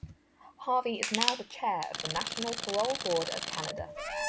Harvey is now the Chair of the National Parole Board of Canada.